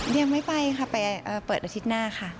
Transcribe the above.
ยังไม่ไปค่ะไปเปิดอาทิตย์หน้าค่ะ